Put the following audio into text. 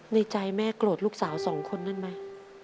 ในใจแม่โกรธลูกสาวสองคนนั้นไหม